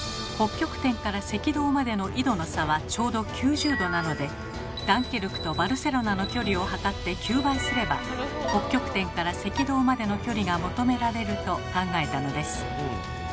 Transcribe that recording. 北極点から赤道までの緯度の差はちょうど９０度なのでダンケルクとバルセロナの距離を測って９倍すれば北極点から赤道までの距離が求められると考えたのです。